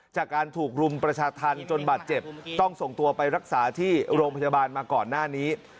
จากการถูกรุมประชาธรรมจนบาดเจ็บต้องส่งตัวไปรักษาที่โรงพยาบาลมาก่อนหน้านี้